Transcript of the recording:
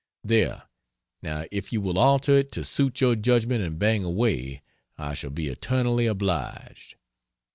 There! Now if you will alter it to suit your judgment and bang away, I shall be eternally obliged.